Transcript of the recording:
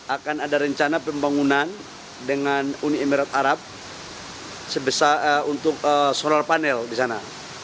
akan ada rencana pembangunan dengan uni emirat arab untuk soral panel di sana